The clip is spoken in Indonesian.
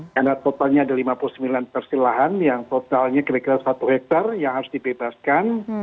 karena totalnya ada lima puluh sembilan persil lahan yang totalnya kira kira satu hektare yang harus dibebaskan